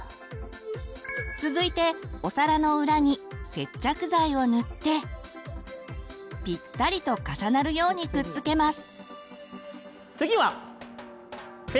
続いてお皿の裏に接着剤を塗ってピッタリと重なるようにくっつけます。